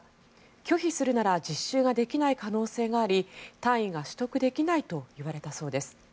拒否するなら実習ができない可能性があり単位が取得できないと言われたそうです。